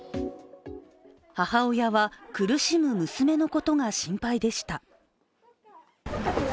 母親は、苦しむ娘のことが心配でした。